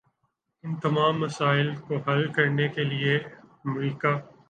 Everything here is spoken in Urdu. ان تمام مسائل کو حل کرنے کے لیے امریکہ